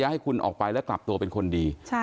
ให้คุณออกไปและกลับตัวเป็นคนดี